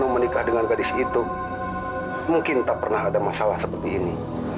mungkin tak pernah ada masalah seperti ini